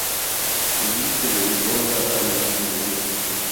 Allí se dedicó a la albañilería.